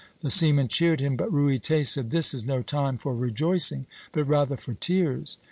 The seamen cheered him; but Ruyter said, 'This is no time for rejoicing, but rather for tears.'